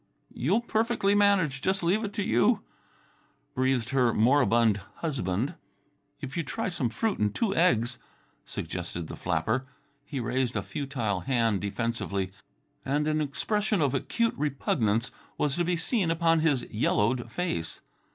"You'll perfectly manage; jus' leave it to you," breathed her moribund husband. "If you'd try some fruit and two eggs," suggested the flapper. He raised a futile hand defensively, and an expression of acute repugnance was to be seen upon his yellowed face.